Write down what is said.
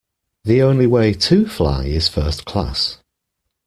The only way too fly is first class